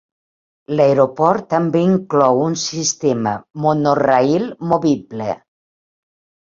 L'aeroport també inclou un sistema monorail movible.